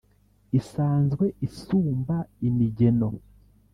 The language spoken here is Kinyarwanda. Isanzwe isumba imigeno